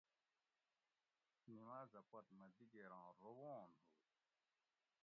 نیماۤزہ پت مہ دیگیراں روون ہُو